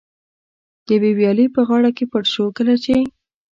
د یوې ویالې په غاړه کې پټ شو، کله چې.